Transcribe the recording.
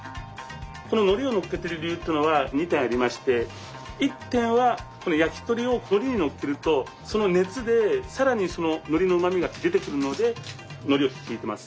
こののりをのっけてる理由っていうのは２点ありまして１点はこの焼き鳥をのりにのっけるとその熱で更にそののりのうまみが出てくるのでのりをひいてます。